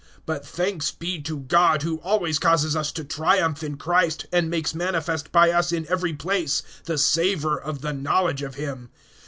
(14)But thanks be to God, who always causes us to triumph in Christ, and makes manifest by us in every place the savor of the knowledge of him.